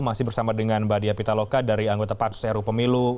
masih bersama dengan mbak dia pitaloka dari anggota pansus ru pemilu